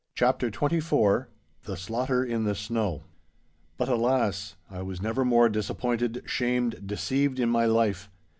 *CHAPTER XXIV* *THE SLAUGHTER IN THE SNOW* But, alas! I was never more disappointed, shamed, deceived in my life.